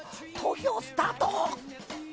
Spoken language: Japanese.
投票スタート。